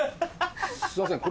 すいません